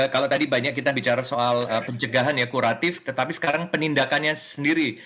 kalau tadi banyak kita bicara soal pencegahan ya kuratif tetapi sekarang penindakannya sendiri